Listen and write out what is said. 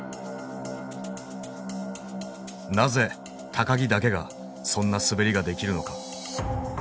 なぜ木だけがそんな滑りができるのか。